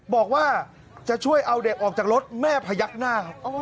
บอกว่าจะช่วยเอาเด็กออกจากรถแม่พยักหน้าครับ